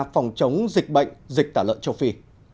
phòng chống dịch bệnh dịch tả lợn châu phi